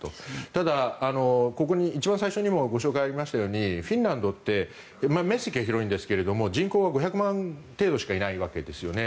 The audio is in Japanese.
ただ、一番最初にもご紹介ありましたようにフィンランドって面積は広いんですけど人口は５００万人程度しかいないわけですよね。